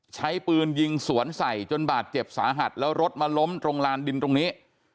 ใช้ปืนยิงสวนใส่จนบาดเจ็บสาหัสแล้วรถมาล้มตรงลานดินตรงนี้